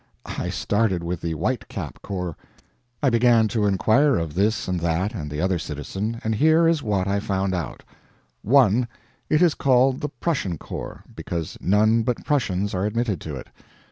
I started with the White Cap corps. I began to inquire of this and that and the other citizen, and here is what I found out: 1. It is called the Prussian Corps, because none but Prussians are admitted to it.